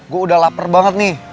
gue udah lapar banget nih